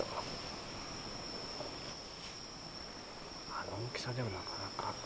あの大きさなかなか。